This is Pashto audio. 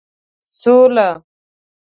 سوله